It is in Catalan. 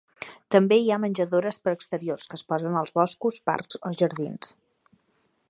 També hi ha menjadores per exterior que es posen als boscos, parcs o jardins.